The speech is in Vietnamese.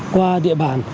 qua địa bàn